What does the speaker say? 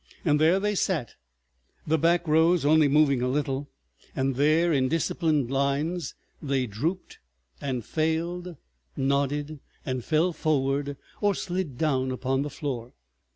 There they sat, the back rows only moving a little, and there, in disciplined lines, they drooped and failed, nodded, and fell forward or slid down upon the floor.